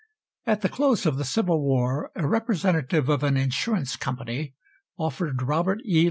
At the close of the Civil War a representative of an insurance company offered Robert E.